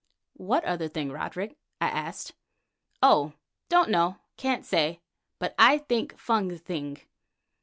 "What other thing, Roderick?" I asked. "Oh! don't know, can't say, but I think Fung thing.